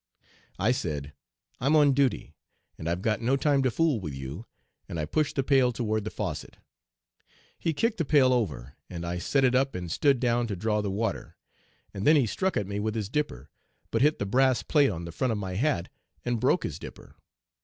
I said: 'I'm on duty, and I've got no time to fool with you,' and I pushed the pail toward the faucet. He kicked the pail over, and I set it up and stooped down to draw the water, and then he struck at me with his dipper, but hit the brass plate on the front of my hat and broke his dipper.